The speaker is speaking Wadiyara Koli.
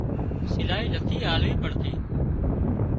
سلائي نٿي آلوي پڙتي